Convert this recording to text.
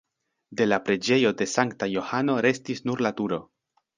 De la preĝejo de Sankta Johano restis nur la turo.